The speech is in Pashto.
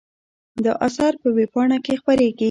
دا اثر په وېبپاڼه کې خپریږي.